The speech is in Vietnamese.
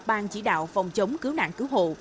ban chỉ đạo phòng chống cứu nạn cứu hồ